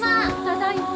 ただいま。